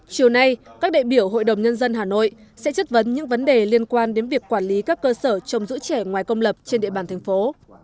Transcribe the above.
chiều nay các đại biểu hội đồng nhân dân hà nội sẽ chất vấn những vấn đề liên quan đến việc quản lý các cơ sở trong giữ trẻ ngoài công lập trên địa bàn thành phố